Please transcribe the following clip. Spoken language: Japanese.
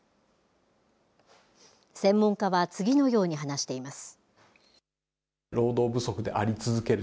専門家は次のように話しています。